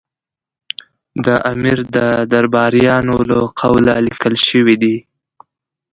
د امیر د درباریانو له قوله لیکل شوي دي.